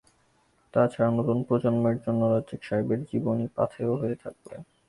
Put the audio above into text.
তা ছাড়া নতুন প্রজন্মের জন্য রাজ্জাক সাহেবের জীবনী পাথেয় হয়ে থাকবে।